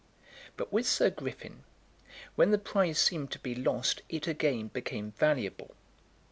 But with Sir Griffin, when the prize seemed to be lost, it again became valuable.